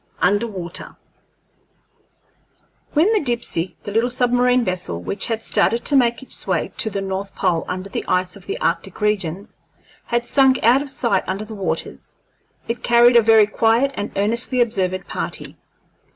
UNDER WATER When the Dipsey, the little submarine vessel which had started to make its way to the north pole under the ice of the arctic regions, had sunk out of sight under the waters, it carried a very quiet and earnestly observant party.